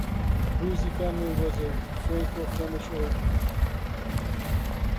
The Boosey family was of Franco-Flemish origin.